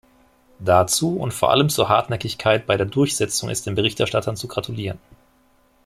Dazu und vor allem zur Hartnäckigkeit bei der Durchsetzung ist den Berichterstattern zu gratulieren.